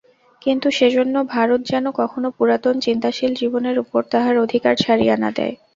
কিন্তু সেজন্য ভারত যেন কখনও পুরাতন চিন্তাশীল জীবনের উপর তাহার অধিকার ছাড়িয়া না দেয়।